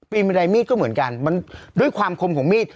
บันไดมีดก็เหมือนกันมันด้วยความคมของมีด